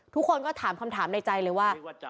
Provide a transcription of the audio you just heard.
ทุกคนก็ถามคำถามในใจเลยว่า